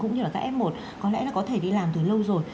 cũng như là các f một có lẽ là có thể đi làm từ lâu rồi